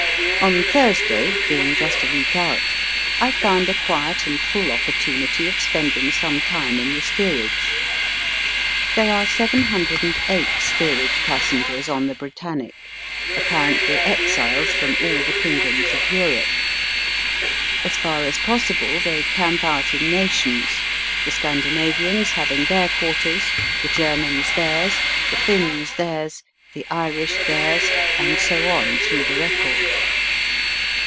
On Thursday, being just a week out, I found a quiet and full opportunity of spending some time in the steerage. There are 708 steerage passengers on the Britannic^ apparently exiles from all the kingdoms of Europe. As far as possible, they camp out in nations, the Scandinavians having their quarters, the Germans theirs, the Finns theirs, the Irish theirs, and so on through the record.